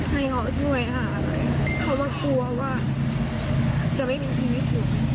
ให้เขาช่วยค่ะเพราะว่ากลัวว่าจะไม่มีชีวิตอยู่